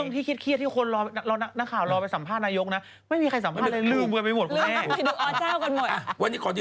ไม่มีใครสัมภาษณ์เลยลืมเหมือนไปหมดคุณแน่